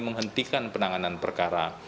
menghentikan penanganan perkara